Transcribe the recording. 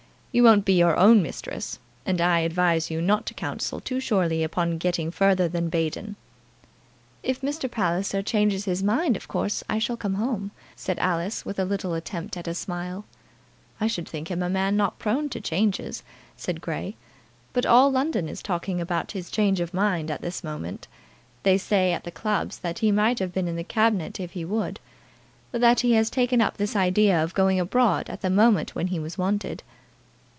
"You won't be your own mistress; and I advise you not to count too surely upon getting further than Baden." "If Mr. Palliser changes his mind of course I shall come home," said Alice, with a little attempt at a smile. "I should think him a man not prone to changes," said Grey. "But all London is talking about his change of mind at this moment. They say at the clubs that he might have been in the Cabinet if he would, but that he has taken up this idea of going abroad at the moment when he was wanted."